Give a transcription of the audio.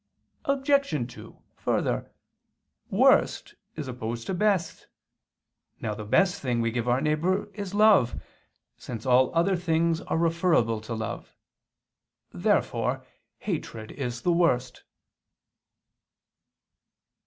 Obj. 2: Further, worst is opposed to best. Now the best thing we give our neighbor is love, since all other things are referable to love. Therefore hatred is the worst.